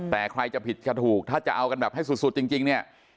แต่ใครจะผิดจะถูกถ้าจะเอากันแบบให้สุดจริงเนี่ย